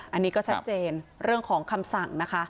อันนี้ก็ชัดเจนเรื่องของคำสั่งนะคะ